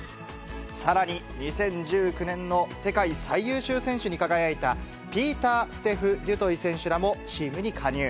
さらに、２０１９年の世界最優秀選手に輝いたピーターステフ・デュトイ選手らもチームに加入。